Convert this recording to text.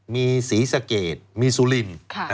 มีขุมมีสหลิน